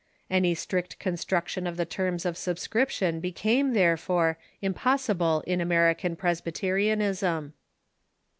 Any strict construction of the terms of subscription became, therefore, impossible in American Presbyterianism.